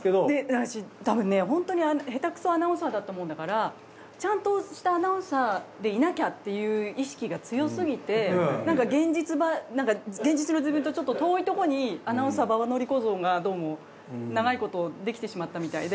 私たぶんねホントに下手くそアナウンサーだったもんだからちゃんとしたアナウンサーでいなきゃっていう意識が強すぎてなんか現実の自分とちょっと遠いとこにアナウンサー馬場典子像がどうも長いことできてしまったみたいで。